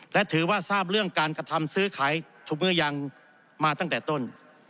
และถือว่าทราบเรื่องการกระทำซื้อขายถูกมือยังมาตั้งแต่ต้น